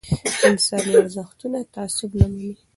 انساني ارزښتونه تعصب نه مني